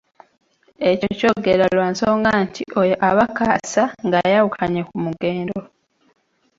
Ekyo ky’ogerwa lwa nsonga nti oyo aba kaasa ng’ayawukanye ku Mugendo.